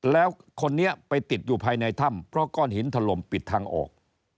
แล้วคนนี้ไปติดอยู่ภายในถ้ำเพราะก้อนหินถล่มปิดทางออก